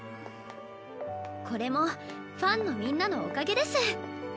これもファンのみんなのおかげです。